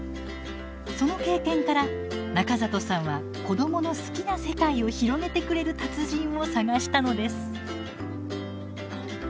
その経験から中里さんは子どもの好きな世界を広げてくれる達人を探したのです。